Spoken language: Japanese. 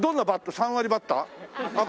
３割バッター？